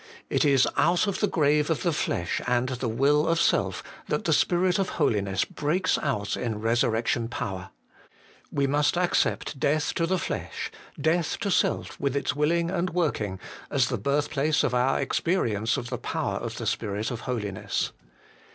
It is out of the grave of the flesh and the will of self that the Spirit of holiness breaks out in resur rection power. We must accept death to the flesh, death to self with its willing and working, as the birthplace of our experience of the power of the HOLINESS AND RESURRECTION. 173 Spirit of holiness.